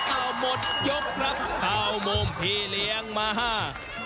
เอาหมดยกครับข้าวมุมผีเรียงมาฮะ